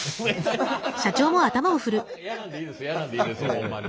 やらんでいいですよやらんでいいですよホンマに。